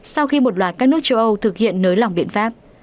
sau khi một loạt các nước châu âu thực hiện nới lỏng biện pháp